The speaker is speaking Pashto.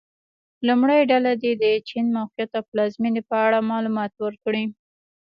لومړۍ ډله دې د چین موقعیت او پلازمېنې په اړه معلومات ورکړي.